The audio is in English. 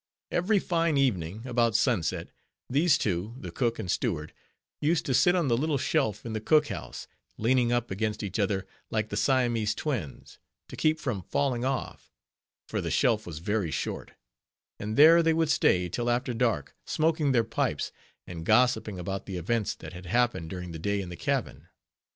Every fine evening, about sunset, these two, the cook and steward, used to sit on the little shelf in the cook house, leaning up against each other like the Siamese twins, to keep from falling off, for the shelf was very short; and there they would stay till after dark, smoking their pipes, and gossiping about the events that had happened during the day in the cabin.